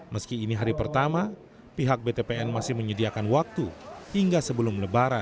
meski ini hari pertama pihak btpn masih menyediakan waktu hingga sebelum lebaran